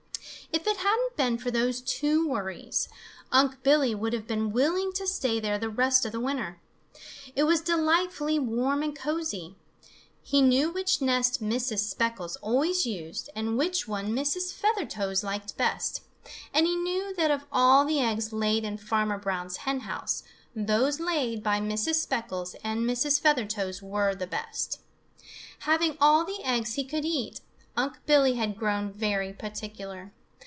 If it hadn't been for those two worries, Unc' Billy would have been willing to stay there the rest of the winter. It was delightfully warm and cosy. He knew which nest Mrs. Speckles always used and which one Mrs. Feathertoes liked best, and he knew that of all the eggs laid in Farmer Brown's hen house those laid by Mrs. Speckles and Mrs. Feathertoes were the best. Having all the eggs he could eat, Unc' Billy had grown very particular.